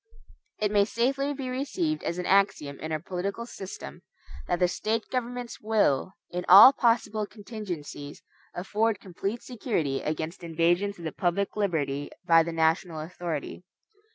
It may safely be received as an axiom in our political system, that the State governments will, in all possible contingencies, afford complete security against invasions of the public liberty by the national authority.